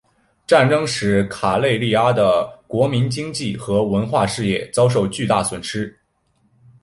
战争使卡累利阿的国民经济和文化事业遭受巨大损失。